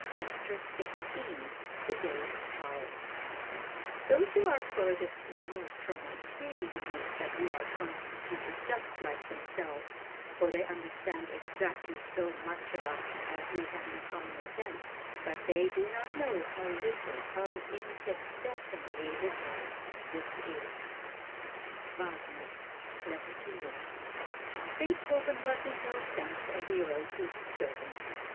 CHAPTER XVI THE DAY'S TRIALS Those who are furthest removed from us really believe that we are constituted just like themselves, for they understand exactly so much of us as we have in common with them, but they do not know how little, how infinitesimally little this is. WAGNER: Letter to Liszt. Beethoven was in no sense a hero to his servants.